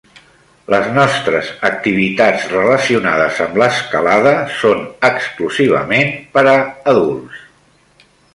Les nostres activitats relacionades amb l'escalada són exclusivament per a adults.